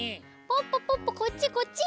ポッポポッポこっちこっち。